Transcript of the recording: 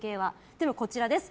でも、こちらです。